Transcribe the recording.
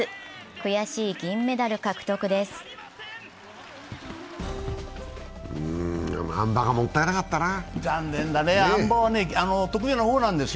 悔しい銀メダル獲得です。